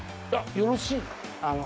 よろしいの？